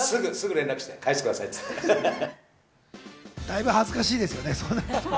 だいぶ恥ずかしいですよね。